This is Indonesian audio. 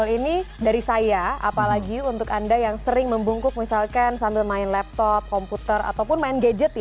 ini dari saya apalagi untuk anda yang sering membungkuk misalkan sambil main laptop komputer ataupun main gadget